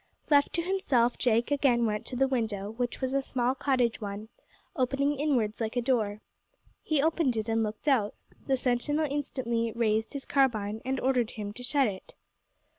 Left to himself, Jake again went to the window, which was a small cottage one, opening inwards like a door. He opened it and looked out. The sentinel instantly raised his carbine and ordered him to shut it.